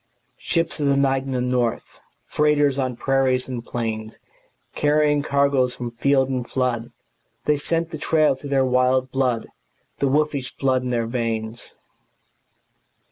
Ships of the night and the north, Freighters on prairies and plains, Carrying cargoes from field and flood They scent the trail through their wild red blood, The wolfish blood in their veins.